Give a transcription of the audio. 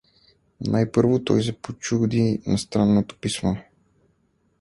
Най-първо той се почуди на странното писмо.